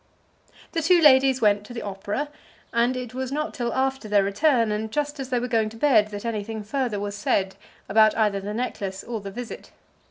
The two ladies went to the opera, and it was not till after their return, and just as they were going to bed, that anything further was said about either the necklace or the visit.